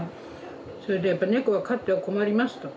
それでやっぱり猫は飼っては困りますと。